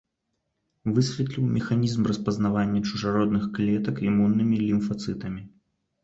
Высветліў механізм распазнавання чужародных клетак імуннымі лімфацытамі.